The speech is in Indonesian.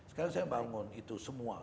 sekarang saya bangun itu semua